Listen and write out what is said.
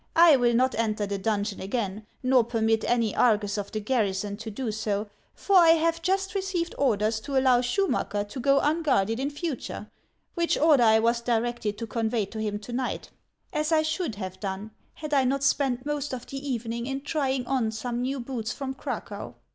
I will not enter the donjon again, nor permit any Argus of the garrison to do so ; for I have just received orders to allow Schumacker to go unguarded in future, which order I was directed to convey to him to night, — as I should have done had I not spent most of the evening in trying on some new boots from Cracow.